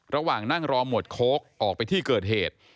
ระหว่างนั่งรอหมวดโค้กออกไปที่เกิดเหตุ